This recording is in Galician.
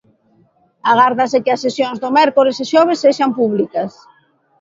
Agárdase que as sesións do mércores e xoves sexan públicas.